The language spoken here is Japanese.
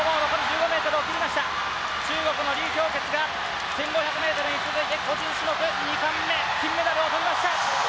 中国の李氷潔が１５００ｍに続いて個人種目、２冠目、金メダルを取りました。